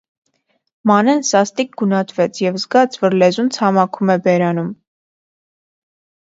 Մանեն սաստիկ գունատվեց և զգաց, որ լեզուն ցամաքում է բերանում: